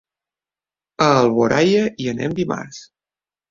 A Alboraia hi anem dimarts.